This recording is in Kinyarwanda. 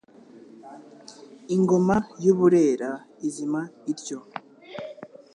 Ingoma y'u Burera izima ityo.